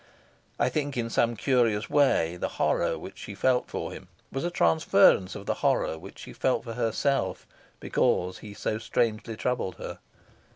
I think in some curious way the horror which she felt for him was a transference of the horror which she felt for herself because he so strangely troubled her.